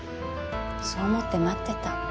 そう思って待ってた。